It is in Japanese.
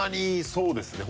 そうですね